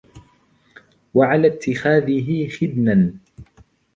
وَعَلَى اتِّخَاذِهِ خِدْنًا